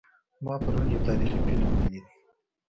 ما پرون یو تاریخي فلم ولید